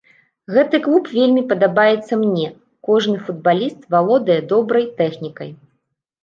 Гэты клуб вельмі падабаецца мне, кожны футбаліст валодае добрай тэхнікай.